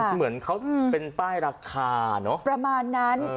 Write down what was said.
เหมือนเขาเป็นป้ายราคาเนอะประมาณนั้น